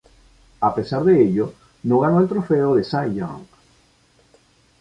A pesar de ello no ganó el trofeo Cy Young.